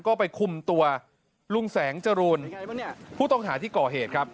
ก็ไปคุมตัวลุงแสงจรูนผู้ต้องหาที่ก่อเหตุครับ